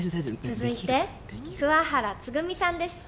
続いて桑原つぐみさんです。